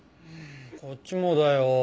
こっちもだよ。